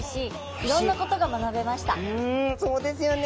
うんそうですよね。